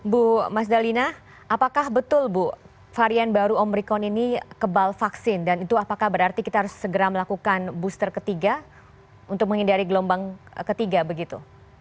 bu mas dalina apakah betul bu varian baru omikron ini kebal vaksin dan itu apakah berarti kita harus segera melakukan booster ketiga untuk menghindari gelombang ketiga begitu